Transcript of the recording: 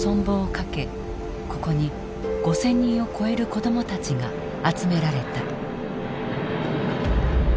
ここに５，０００人を超える子供たちが集められた。